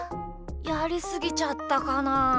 やりすぎちゃったかな？